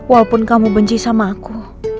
walaupun kamu benci sama aku